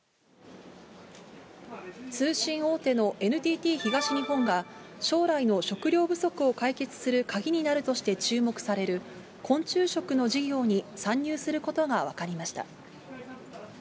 通信大手のＮＴＴ東日本が、将来の食料不足を解決する鍵になるとして注目される昆虫食の事業に参入することが分かりました。